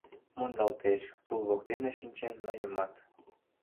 Мондалтеш, тул воктене шинчен, нойымат…